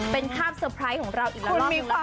เป็นคาบสเตอร์ไพรส์ของเราอีกแล้วครั้งหนึ่งแล้วกัน